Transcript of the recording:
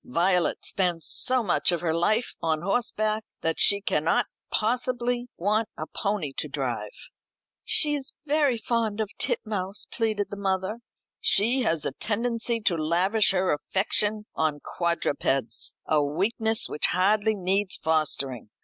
Violet spends so much of her life on horseback, that she cannot possibly want a pony to drive." "She is very fond of Titmouse," pleaded the mother. "She has a tendency to lavish her affection on quadrupeds a weakness which hardly needs fostering.